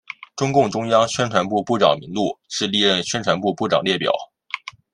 中共中央宣传部部长名录是历任宣传部部长列表。